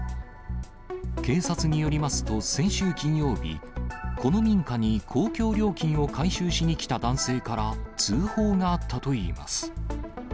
警察によりますと、先週金曜日、この民家に公共料金を回収しに来た男性から通報があったといいます。